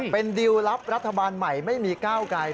เป็นดิวลลับรัฐบาลใหม่ไม่มีก้าวไกล